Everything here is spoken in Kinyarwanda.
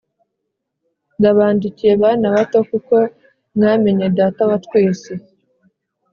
Ndabandikiye bana bato, kuko mwamenye Data wa twese.